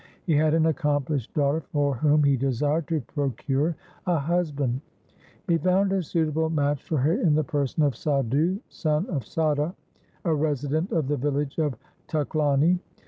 He had an accomplished daughter for whom he desired to procure a husband. He found a suitable match for her in the person of LIFE OF GURU HAR GOBIND 147 Sadhu, son of Sada, a resident of the village of Tuklani.